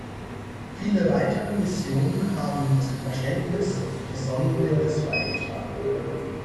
Viele weitere Missionen haben zum Verständnis des Sonnenwindes beigetragen.